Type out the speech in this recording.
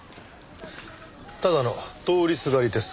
ただの通りすがりです。